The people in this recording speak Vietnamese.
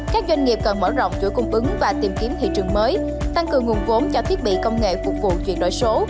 các doanh nghiệp cần mở rộng chuỗi cung ứng và tìm kiếm thị trường mới tăng cường nguồn vốn cho thiết bị công nghệ phục vụ chuyển đổi số